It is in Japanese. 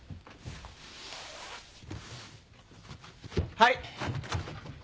・はい。